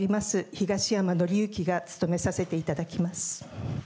東山紀之が務めさせていただきます。